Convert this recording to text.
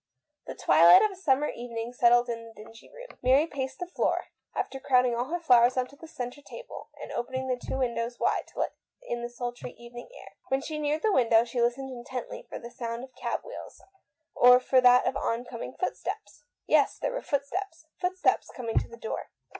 The twilight of a summer evening settled on the dingy room. Mary paced the floor, after crowding all her flowers on to the centre table, and opening the two windows wide to let in the sultry evening air. When she neared the window she listened intently for the sound of cab wheels, or for that of on coming footsteps. Yes, there were foot steps — footsteps coming to the door.